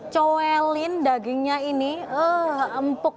coelin dagingnya ini empuk